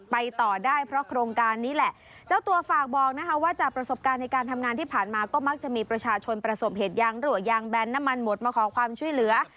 ไปต่อได้เพราะโครงการนี้แหละเจ้าตัวฝากบอกนะคะว่าจากประสบการณ์ในการทำงานที่ผ่านมาก็มักจะมีประชาชนประสบเหตุยางรั่วยางแบนน้ำมันหมดมาขอความช่วยเหลือ